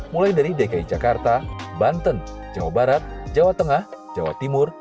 mulai dari dki jakarta banten jawa barat jawa tengah jawa timur